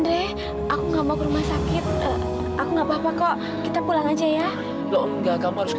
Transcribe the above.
deh aku gak mau ke rumah sakit aku nggak apa apa kok kita pulang aja ya lo enggak kamu harus ke